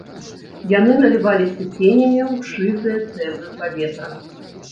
Яны наліваліся ценямі ў шызыя цэбры паветра.